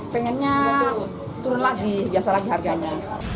pengennya turun lagi biasa lagi harganya